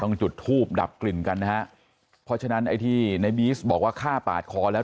จุดทูบดับกลิ่นกันนะฮะเพราะฉะนั้นไอ้ที่ในบีซบอกว่าฆ่าปาดคอแล้ว